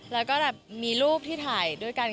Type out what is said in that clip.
แล้วก็แบบมีรูปที่ถ่ายด้วยกัน